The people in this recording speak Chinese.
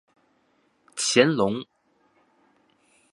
乾隆五十一年八月调升四川成都县知县。